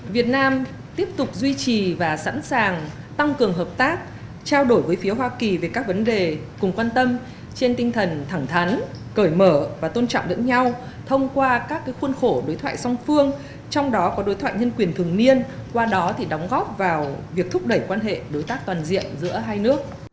việt nam tiếp tục duy trì và sẵn sàng tăng cường hợp tác trao đổi với phía hoa kỳ về các vấn đề cùng quan tâm trên tinh thần thẳng thắn cởi mở và tôn trọng lẫn nhau thông qua các khuôn khổ đối thoại song phương trong đó có đối thoại nhân quyền thường niên qua đó đóng góp vào việc thúc đẩy quan hệ đối tác toàn diện